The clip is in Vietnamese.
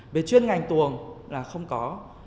về chuyên ngành tuồng là không có